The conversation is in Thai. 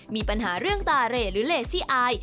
มีปัญหาเรื่องตาเร่หรือเลซี่อาย